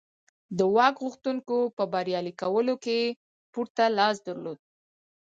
د واک غوښتونکو په بریالي کولو کې یې پوره لاس درلود